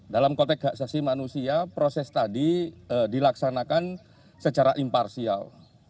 dalam kotek haksasi manusia proses tadi dilaksanakan secara imparsial